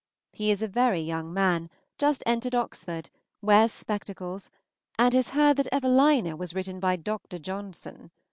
He is a very young man, just entered Oxford, wears spectacles, and has heard that "Evelina" was written by Dr. Johnson.